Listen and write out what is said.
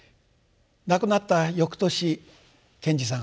亡くなった翌年賢治さん